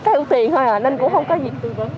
theo tiền thôi nên cũng không có gì